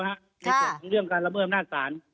ในส่วนเรื่องการระเบื้ออำนาจศาล